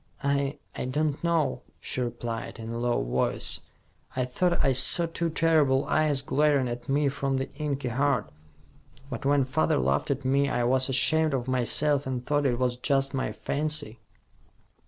"I I don't know," she replied, in a low voice. "I thought I saw two terrible eyes glaring at me from the inky heart. But when father laughed at me, I was ashamed of myself and thought it was just my fancy."